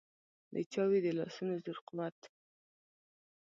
د چا وي د لاسونو زور قوت.